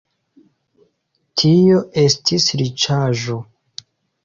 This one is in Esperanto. Tio estis riĉaĵo.